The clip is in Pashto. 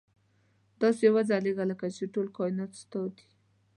داسې وځلېږه لکه چې ټول کاینات ستا دي.